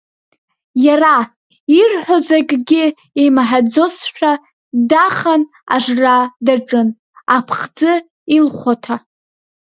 Иара, ирҳәоз акгьы имаҳаӡозшәа, дахан ажра даҿын, аԥхӡы илхәаҭа.